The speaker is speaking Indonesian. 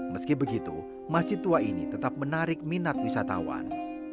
meski begitu masjid tua ini tetap menarik minat wisatawan